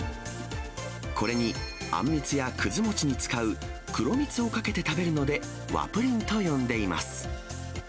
これにあんみつやくず餅に使う黒みつをかけて食べるので、和ぷりんと呼んでいます。